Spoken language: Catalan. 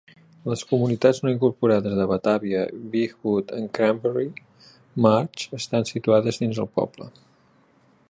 Les comunitats no incorporades de Batavia, Beechwood i Cranberry Marsh estan situades dins el poble.